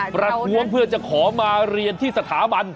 ประท้วงเพื่อจะขอมาเรียนที่สถาบัน